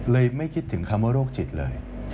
ไม่คิดถึงคำว่าโรคจิตเลย